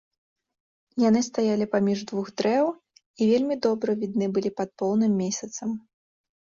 Яны стаялі паміж двух дрэў і вельмі добра відны былі пад поўным месяцам.